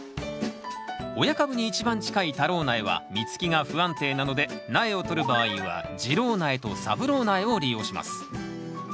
親株に一番近い太郎苗は実つきが不安定なので苗を取る場合は次郎苗と三郎苗を利用します。